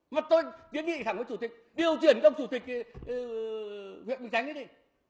mà tôi viết nghị thẳng với chủ tịch điều chuyển cho ông chủ tịch huyện bình chánh đi